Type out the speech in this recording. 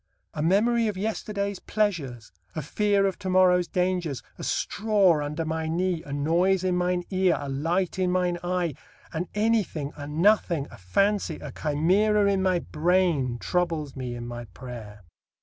A memory of yesterday's pleasures, a fear of to morrow's dangers, a straw under my knee, a noise in mine ear, a light in mine eye, an anything, a nothing, a fancy, a chimera in my brain troubles me in my prayer.